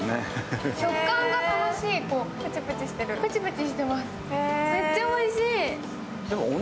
食感が楽しい、プチプチしてます。